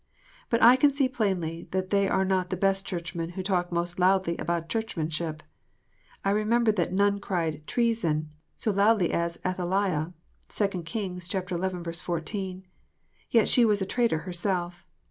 But I can see plainly that they are not the best Churchmen who talk most loudly about Churclmianship. I remember that none cried " Treason " so loudly as Athaliah. (2 Kings xi. 14.) Yet she was a traitor herself.